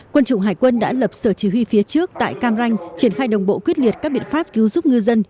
quân chủng hải quân đã lập sở chỉ huy phía trước tại cam ranh triển khai đồng bộ quyết liệt các biện pháp cứu giúp ngư dân